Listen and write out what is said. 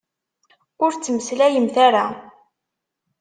Ur ttmeslayemt ara!